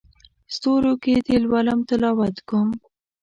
ستورو کې دې لولم تلاوت کوم